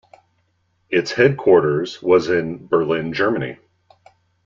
Its headquarters was in Berlin, Germany.